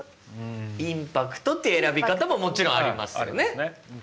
インパクトっていう選び方ももちろんありますよね。